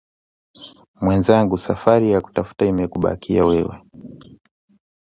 Mwenzangu safari ya kutafuta imekubakia wewe